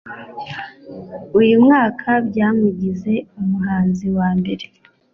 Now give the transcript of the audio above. uyu mwaka, byamugize umuhanzi wa mbere